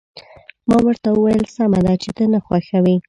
ما ورته وویل: سمه ده، چې ته نه خوښوې.